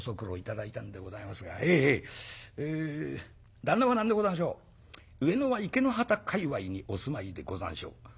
ええ旦那は何でござんしょう上野は池之端界わいにお住まいでござんしょう」。